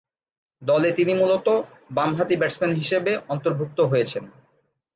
দলে তিনি মূলতঃ বামহাতি ব্যাটসম্যান হিসেবে অন্তর্ভুক্ত হয়েছেন।